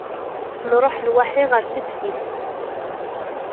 Nruḥ lwaḥi ɣer teftist.